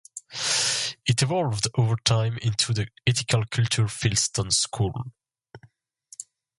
It evolved over time into the Ethical Culture Fieldston School.